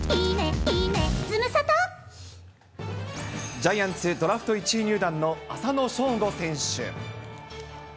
ジャイアンツドラフト１位入団の浅野翔吾選手。